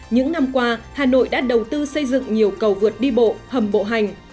những năm qua hà nội đã đầu tư xây dựng nhiều cầu vượt đi bộ hầm bộ hành